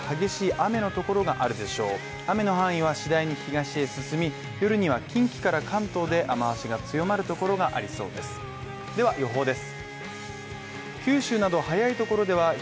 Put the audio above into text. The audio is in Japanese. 雨の範囲は次第に東へ進み、夜には近畿から関東で雨脚が強まるところがありそうです。